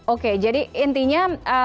oke jadi intinya